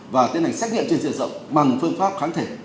và tiến hành xét nghiệm trên diện rộng bằng phương pháp kháng thể